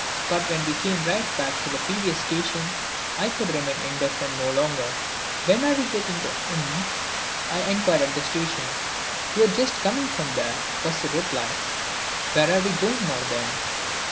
But when we came right back to the previous station, I could remain indifferent no longer. "When are we getting to " I inquired at the station. "You are just coming from there," was the reply. "Where are we going now, then?"